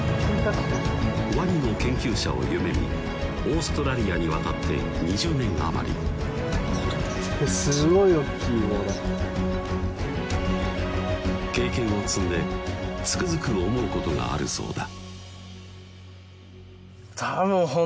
ワニの研究者を夢みオーストラリアに渡って２０年余りすごい大きいこれ経験を積んでつくづく思うことがあるそうだ